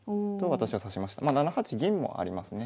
７八銀もありますね。